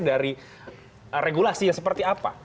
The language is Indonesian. dari regulasi seperti apa